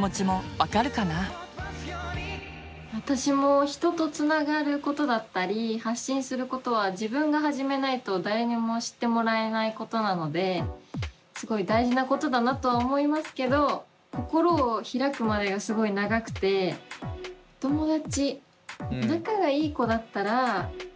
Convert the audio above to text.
私も人とつながることだったり発信することは自分が始めないと誰にも知ってもらえないことなのですごい大事なことだなとは思いますけど心を開くまでがすごい長くてお友達